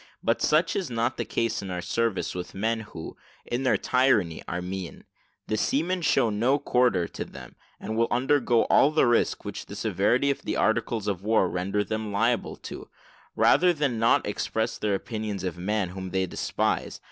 But such is not the case in our service with men who, in their tyranny, are mean; the seamen show no quarter to them, and will undergo all the risk which the severity of the articles of war render them liable to, rather than not express their opinion of a man whom they despise.